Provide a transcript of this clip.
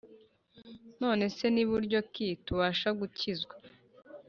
None se, ni buryo ki tubasha gukizwa?